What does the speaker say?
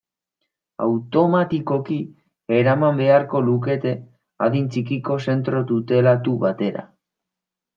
Automatikoki eraman beharko lukete adin txikiko zentro tutelatu batera.